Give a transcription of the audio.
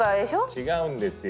違うんですよ！